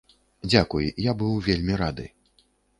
Дзякуй, я быў вельмі рады.